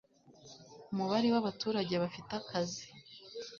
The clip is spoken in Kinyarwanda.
umubare w'abaturage bafite akazi